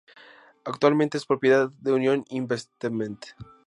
Actualmente es propiedad de Union Investment.